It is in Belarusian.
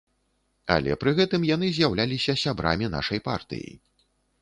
Але пры гэтым яны з'яўляліся сябрамі нашай партыі!